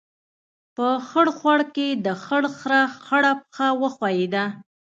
په خړ خوړ کې، د خړ خرهٔ خړه پښه وښیوده.